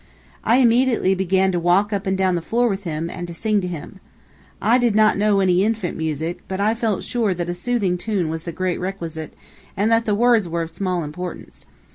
I immediately began to walk up and down the floor with him, and to sing to him. I did not know any infant music, but I felt sure that a soothing tune was the great requisite, and that the words were of small importance.